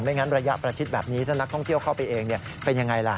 งั้นระยะประชิดแบบนี้ถ้านักท่องเที่ยวเข้าไปเองเป็นยังไงล่ะ